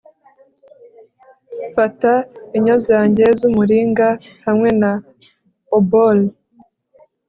Fata inyo zanjye zumuringa hamwe na obol